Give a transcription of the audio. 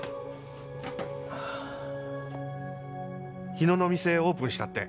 「日野の店オープンしたって。